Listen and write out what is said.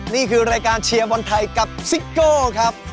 นี่คือรายการเชียร์บอลไทยกับซิโก้ครับ